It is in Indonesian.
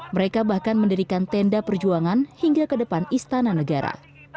mereka bahkan mendirikan tenda perjuangan hingga ke depan istana negara